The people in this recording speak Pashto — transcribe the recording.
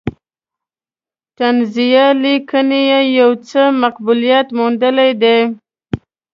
طنزیه لیکنې یې یو څه مقبولیت موندلی دی.